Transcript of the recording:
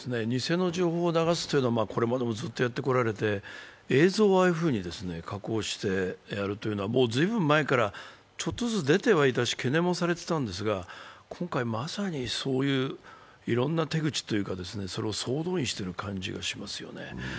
偽の情報を流すというのはこれまでもずっとやられてこられて映像をああいうふうに加工してやるというのは、随分前からちょっとずつ出てはいたし、懸念もされていたんですが、今回まさにそういういろんな手口というか、それを総動員している感じがしますよね。